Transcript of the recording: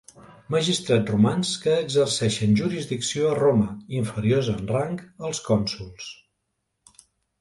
Magistrats romans que exercien jurisdicció a Roma, inferiors en rang als cònsols.